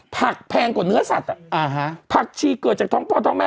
แพงกว่าเนื้อสัตว์อ่ะอ่าฮะผักชีเกิดจากท้องพ่อท้องแม่